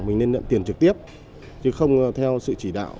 mình nên nhận tiền trực tiếp chứ không theo sự chỉ đạo